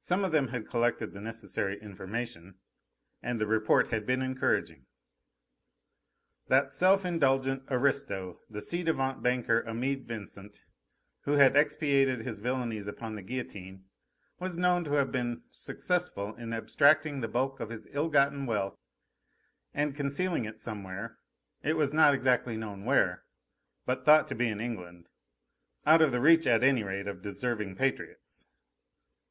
Some of them had collected the necessary information; and the report had been encouraging. That self indulgent aristo, the ci devant banker Amede Vincent, who had expiated his villainies upon the guillotine, was known to have been successful in abstracting the bulk of his ill gotten wealth and concealing it somewhere it was not exactly known where, but thought to be in England out of the reach, at any rate, of deserving patriots.